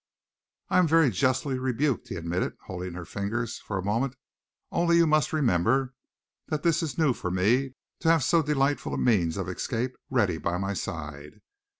"I am very justly rebuked," he admitted, holding her fingers for a moment, "only you must remember that it is new for me to have so delightful a means of escape ready by my side.